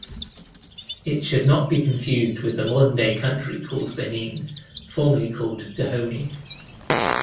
It should not be confused with the modern-day country called Benin, formerly called Dahomey.